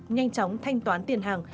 nhanh chóng thanh toán tiền hàng